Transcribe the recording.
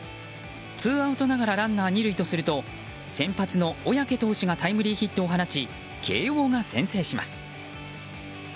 ツーアウトながらランナー２塁とすると先発の小宅投手がタイムリーヒットを放ち慶応が先制します。